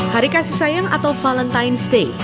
hari kasih sayang atau valentine's day